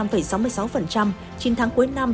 trên tháng cuối năm